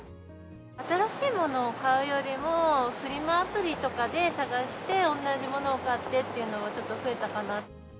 新しいものを買うよりも、フリマアプリとかで探して、同じものを買ってっていうのがちょっと増えたかな。